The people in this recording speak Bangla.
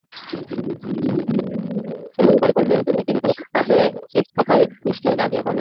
ক্ষেমংকরী কহিলেন, কিন্তু তুমি, বাছা, সে কথায় নিশ্চয়ই রাজি হও নাই।